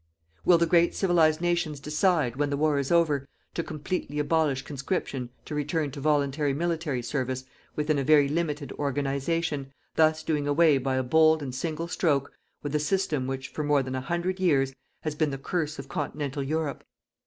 Will the great civilized nations decide, when the war is over, to completely abolish conscription to return to voluntary military service within a very limited organization, thus doing away by a bold and single stroke with a system which, for more than a hundred years, has been the curse of continental Europe?